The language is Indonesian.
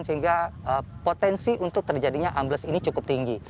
sehingga potensi untuk terjadinya ambles ini cukup tinggi